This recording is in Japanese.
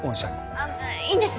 あいいんです。